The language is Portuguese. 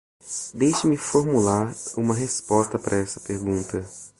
Deixe-me formular uma resposta para essa pergunta.